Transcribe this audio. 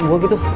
peluk gue gitu